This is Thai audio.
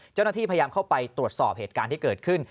เจ้าหน้าที่พยายามเข้าไปตรวจสอบเหตุการณ์ที่เกิดขึ้น